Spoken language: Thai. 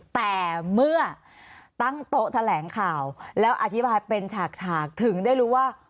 แต่เมื่อตั้งโต๊ะแถลงข่าวแล้วอธิบายเป็นฉากฉากถึงได้รู้ว่า